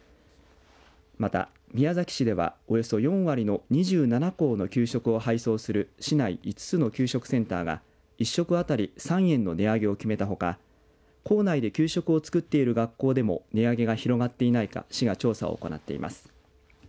また、宮崎市ではおよそ４割の２７校の給食を配送する市内５つの給食センターが１食あたり３円の値上げを決めたほか校内で給食を作っている学校でも値上げが広がっていないか市が調査を行っています。